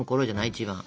一番。